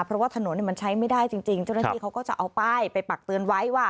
เพราะว่าถนนมันใช้ไม่ได้จริงเจ้าหน้าที่เขาก็จะเอาป้ายไปปักเตือนไว้ว่า